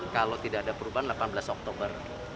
kalau tidak ada perubahan delapan belas oktober